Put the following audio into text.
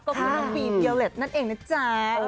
ก็คือน้องบีนเยอเล็ตนั่นเองนะจ๊ะ